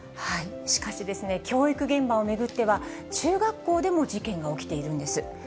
しかしですね、教育現場を巡っては、中学校でも事件が起きているんです。